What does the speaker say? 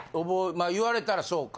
まあ言われたらそうか。